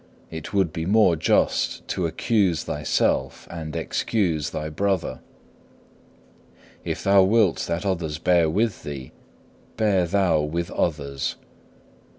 It would be more just to accuse thyself and excuse thy brother. If thou wilt that others bear with thee, bear thou with others.